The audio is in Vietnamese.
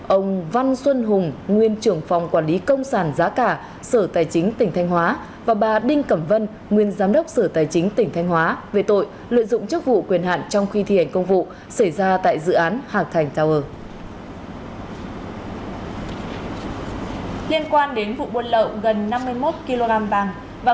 ông văn xuân hùng nguyên trưởng phòng quản lý công sản giá cả sở tài chính tỉnh thanh hóa và bà đinh cẩm vân nguyên giám đốc sở tài chính tỉnh thanh hóa về tội lợi dụng chức vụ quyền hạn trong khi thi hành công vụ xảy ra tại dự án hạc thành tower